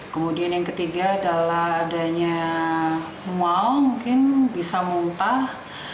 kemudian yang ketiga adalah adanya mual mungkin bisa muntah